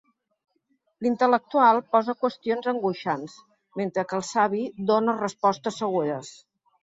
L'intel·lectual posa qüestions angoixants, mentre que el savi dóna respostes segures.